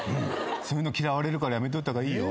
そういうの嫌われるからやめといた方がいいよ。